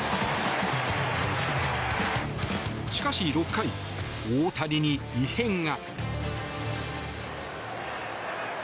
しかし６回、大谷に異変が。